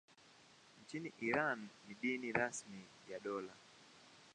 Nchini Iran ni dini rasmi ya dola.